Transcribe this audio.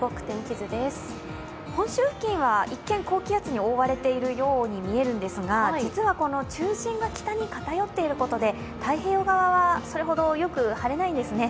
本州付近は一見、高気圧に覆われているように見えるんですが実は中心が北に偏っていることで太平洋側はそれほどよく晴れないんですね。